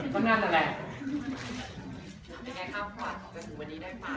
ผ่านอะไรมันเยอะมากเลยค่ะ